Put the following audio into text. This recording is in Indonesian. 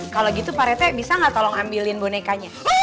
kalau gitu pak reti bisa gak tolong ambilin bonekanya